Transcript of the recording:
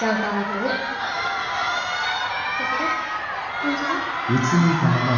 返事は？